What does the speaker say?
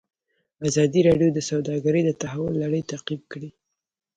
ازادي راډیو د سوداګري د تحول لړۍ تعقیب کړې.